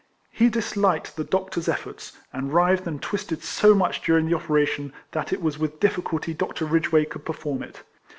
He disliked the doctor's efforts, and writhed and twisted so much during the operation that it was with difficulty Dr. Ridgeway could perform it.